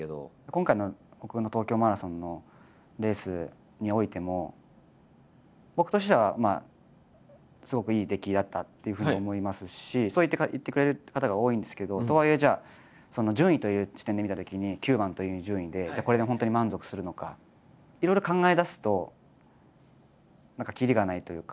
今回の僕の東京マラソンのレースにおいても僕としてはすごくいい出来だったっていうふうに思いますしそう言ってくれる方が多いんですけどとはいえじゃあ順位という視点で見たときにいろいろ考えだすと何か切りがないというか。